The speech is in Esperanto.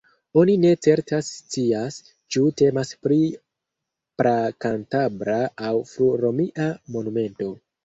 Oni ne certe scias, ĉu temas pri pra-kantabra aŭ fru-romia monumento.